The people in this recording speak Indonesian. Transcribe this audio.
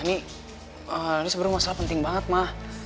ini sebenarnya masalah penting banget mah